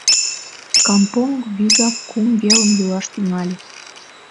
Кампонг вигак кум велым йӱлаш тӱҥале.